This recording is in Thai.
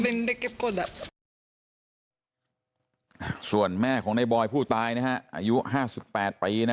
เป็นได้เก็บกฎส่วนแม่ของในบอยผู้ตายนะฮะอายุ๕๘ปีนะ